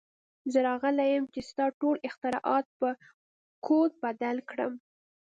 زه راغلی یم چې ستا ټول اختراعات په کوډ بدل کړم